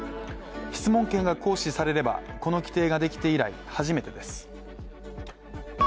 質問権が行使されればこの規定ができて以来、初めてです。